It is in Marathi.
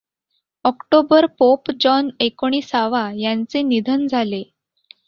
ऑक्टोबर पोप जॉन एकोणिसावा यांचे निधन झाले.